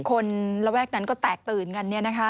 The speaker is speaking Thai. คนระแวกนั้นก็แตกตื่นกันเนี่ยนะคะ